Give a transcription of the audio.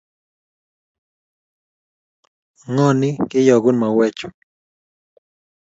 ng'oni keyokun mauwek chu